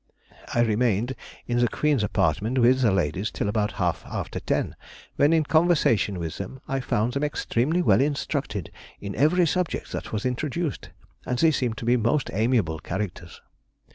I remained in the Queen's apartment with the ladies till about half after ten, when in conversation with them I found them extremely well instructed in every subject that was introduced, and they seemed to be most amiable characters.